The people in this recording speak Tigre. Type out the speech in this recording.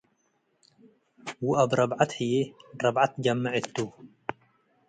ወአብ ረብዐት ህዬ ረብዐት ጀሜዕ እቱ ።